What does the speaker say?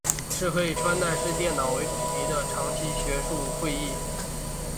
是以可穿戴式电脑为主题的长期学术会议。